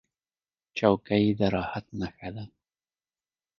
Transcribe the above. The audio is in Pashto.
چوکۍ د راحت نښه ده.